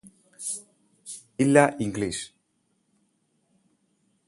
ഇല്ല ഇംഗ്ലീഷ്